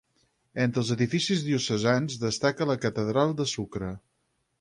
Entre els edificis diocesans destaca la catedral de Sucre.